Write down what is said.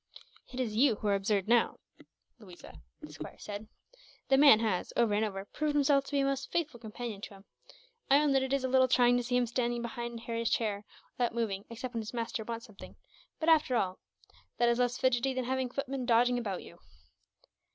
"It is you who are absurd, now, Louisa," the squire said. "The man has, over and over again, proved himself to be a most faithful friend to him. I own that it is a little trying to see him standing behind Harry's chair, without moving, except when his master wants something; but after all, that is less fidgety than having footmen dodging about you.